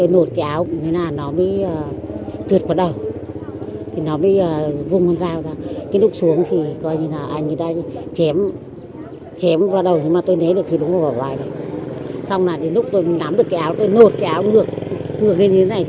nhưng em ngot deutsher còn chưa sống như nơi nào đấy